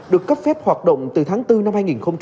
được cấp phép hoạt động từ tháng bốn năm hai nghìn hai mươi